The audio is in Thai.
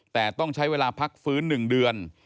แต่ต้องใช้เวลาพักฟื้น๑เดือน